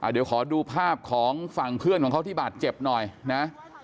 เดี๋ยวขอดูภาพของฝั่งเพื่อนของเขาที่บาดเจ็บหน่อยนะ